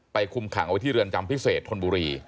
คุมขังเอาไว้ที่เรือนจำพิเศษธนบุรี